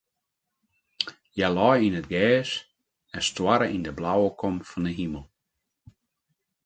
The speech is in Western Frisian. Hja lei yn it gjers en stoarre yn de blauwe kom fan de himel.